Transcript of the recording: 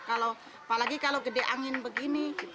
apalagi kalau gede angin begini